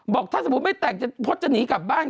บอกถ้าสมมุติไม่แต่งเพราะจะหนีกลับบ้าน